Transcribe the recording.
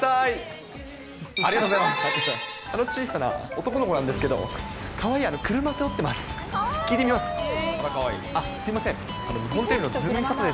あの小さな男の子なんですけど、車背負ってます。